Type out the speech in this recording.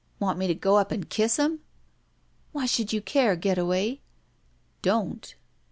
Want me to go up and kiss him?" *'Why should you care, Getaway?" ''Don't."